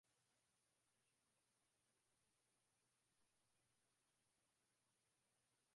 Ushindi wa chama chake uliilinda historia ya Mama Samia